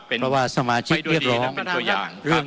เป็นไปด้วยดีนั่นเป็นตัวอย่าง